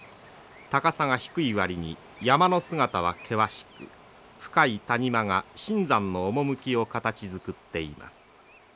高さが低い割に山の姿は険しく深い谷間が深山の趣を形づくっています。